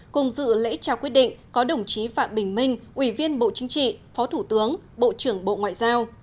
cùng dự lễ trao quyết định có đồng chí phạm bình minh ủy viên bộ chính trị phó thủ tướng bộ trưởng bộ ngoại giao